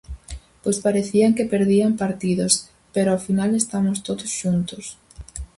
Pois parecían que perdían partidos, pero ao final estamos todos xuntos.